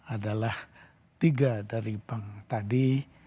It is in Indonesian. adalah tiga dari bank tadi